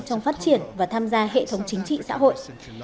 trong phát triển và tham gia hệ thống chính trị xã hội